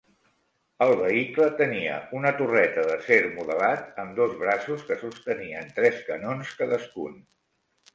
El vehicle tenia una torreta d'acer modelat amb dos braços que sostenien tres canons cadascun.